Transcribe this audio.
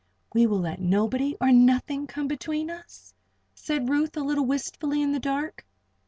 "We will let nobody, or nothing, come between us?" said Ruth, a little wistfully in the dark.